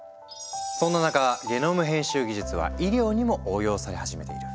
そんな中ゲノム編集技術は医療にも応用され始めている。